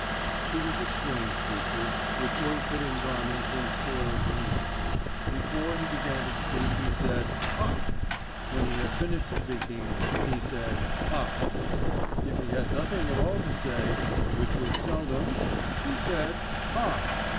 He was a strange creature, with ill fitting garments and soiled linen. Before he began to speak he said "Haaa!" When he had finished speaking he said "Haaa!" If he had nothing at all to say, which was seldom, he said "Haaa!"